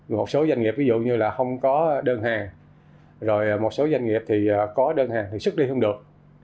một số doanh nghiệp ví dụ như là không có đơn hàng rồi một số doanh nghiệp thì có đơn hàng thì xuất đi không được